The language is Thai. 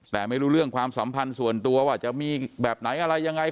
แต่ไม่รู้เรื่องความสัมพันธ์ส่วนตัวว่าจะมีแบบไหนอะไรยังไง